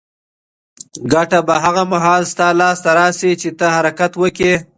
ګټه به هغه مهال ستا لاس ته راشي چې ته حرکت وکړې.